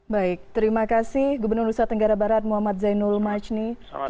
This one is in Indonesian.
baik terima kasih gubernur nusa tenggara barat muhammad zainul majni